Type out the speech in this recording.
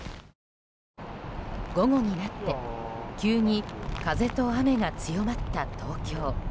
午後になって急に風と雨が強まった東京。